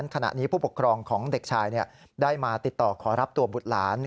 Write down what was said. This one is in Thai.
ขณะนี้ผู้ปกครองของเด็กชายได้มาติดต่อขอรับตัวบุตรหลาน